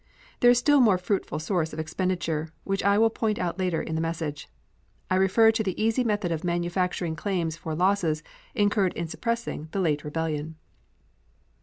There is a still more fruitful source of expenditure, which I will point out later in this message. I refer to the easy method of manufacturing claims for losses incurred in suppressing the late rebellion.